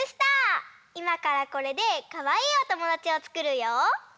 いまからこれでかわいいおともだちをつくるよ！